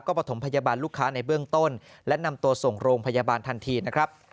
ประถมพยาบาลลูกค้าในเบื้องต้นและนำตัวส่งโรงพยาบาลทันทีนะครับ